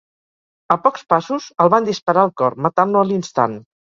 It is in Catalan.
A pocs passos, el van disparar al cor, matant-lo a l'instant.